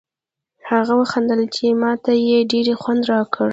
هغه و خندل چې ما ته یې ډېر خوند راکړ.